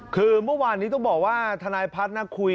คือเมื่อวานนี้ต้องบอกว่าทนายพัฒน์คุย